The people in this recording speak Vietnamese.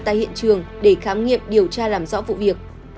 tại hiện trường để khám nghiệm điều tra làm rõ vụ việc